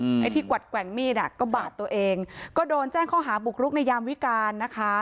ไอ้ที่กวัดแกว่งมีดอ่ะก็บาดตัวเองก็โดนแจ้งข้อหาบุกรุกในยามวิการนะคะ